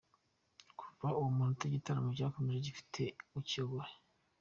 Kuva uwo munota igitaramo cyakomeje gifite ukiyoboye.